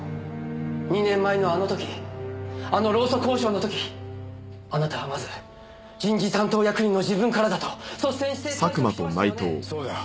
２年前のあの時あの労組交渉の時あなたはまず人事担当役員の自分からだと率先して退職しましたよね。